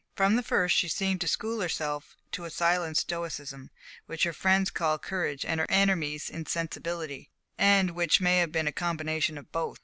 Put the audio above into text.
From the first she seemed to school herself to a silent stoicism, which her friends called courage and her enemies insensibility, and which may have been a combination of both.